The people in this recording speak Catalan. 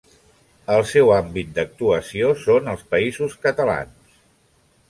El seu àmbit d'actuació són els Països Catalans.